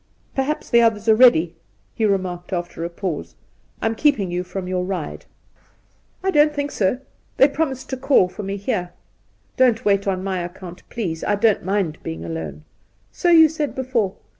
' Perhaps the others are ready,' he remarked after a pause. * I am keeping you from your ride.' ii8 Induna Nairn ' I don't think so. They promised to call for me here.' ' Don't wait on my account, please. I don't mind being alone.' ' So you said before.